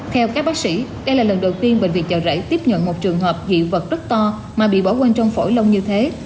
theo các bác sĩ đây là lần đầu tiên bệnh viện chợ rẫy tiếp nhận một trường hợp hiện vật rất to mà bị bỏ quên trong phổi lông như thế